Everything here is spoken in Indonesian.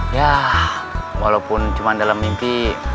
ya walaupun cuma dalam mimpi